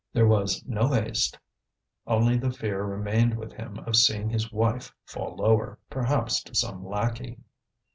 There was no haste, only the fear remained with him of seeing his wife fall lower, perhaps to some lackey.